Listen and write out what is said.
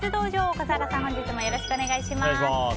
笠原さん、本日もよろしくお願いします。